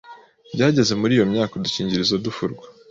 byageze muri iyo myaka udukingirizo dufurwa